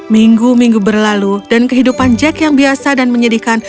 minggu minggu berlalu dan kehidupan jack yang biasa dan menyedihkan